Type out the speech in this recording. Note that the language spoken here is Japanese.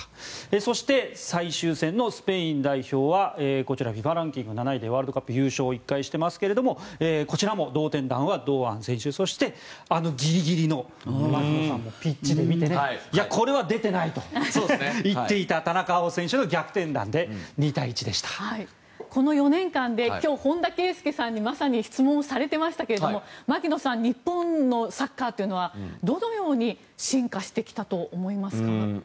そして、最終戦のスペイン代表はこちらＦＩＦＡランキング７位でワールドカップ優勝１回していますがこちらも同点弾は堂安選手そしてあのギリギリの槙野さんもピッチで見てこれは出てないと言っていた田中碧選手の４年間で本田圭佑さんにまさに質問をされていましたが槙野さん日本のサッカーというのはどのように進化してきたと思いますか。